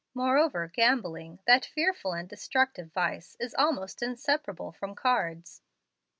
Moreover, gambling that fearful and destructive vice is almost inseparable from cards."